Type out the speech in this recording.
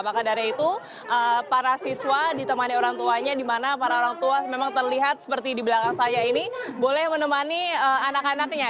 maka dari itu para siswa ditemani orang tuanya di mana para orang tua memang terlihat seperti di belakang saya ini boleh menemani anak anaknya